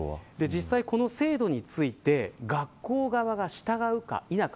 実際、制度について学校側が従うか、否か。